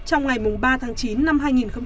trong ngày ba tháng chín năm hai nghìn hai mươi